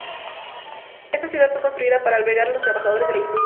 Esta ciudad fue construida para albergar a los trabajadores de la industria.